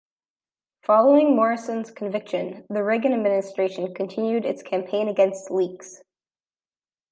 Following Morison's conviction, the Reagan administration continued its campaign against leaks.